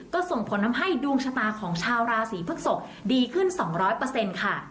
ก็ส่งผลทำให้ดวงชะตาของชาวราศีพฤกษกดีขึ้นสองร้อยเปอร์เซ็นต์ค่ะ